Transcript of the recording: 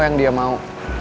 yang dia mau